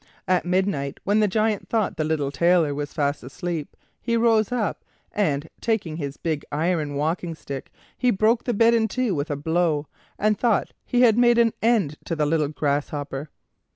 At midnight, when the Giant thought the little Tailor was fast asleep, he rose up, and taking his big iron walking stick, he broke the bed in two with a blow, and thought he had made an end of the little grasshopper.